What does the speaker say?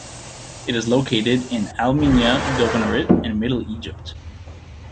It is located in Al Minya Governorate in Middle Egypt.